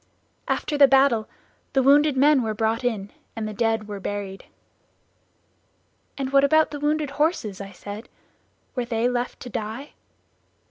After the battle the wounded men were brought in and the dead were buried." "And what about the wounded horses?" I said; "were they left to die?"